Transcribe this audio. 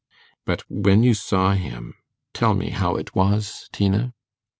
'But when you saw him tell me how it was, Tina?